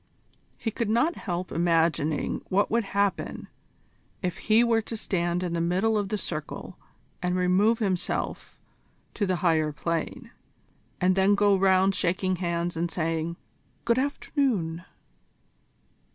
He could not help imagining what would happen if he were to stand in the middle of the circle and remove himself to the Higher Plane, and then go round shaking hands and saying, "Good afternoon."